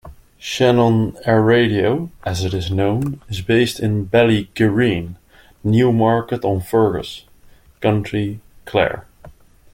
Shannon Aeradio, as it is known, is based in Ballygirreen, Newmarket-on-Fergus, County Clare.